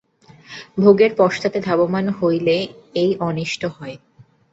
ভোগের পশ্চাতে ধাবমান হইলে এই অনিষ্ট হয়।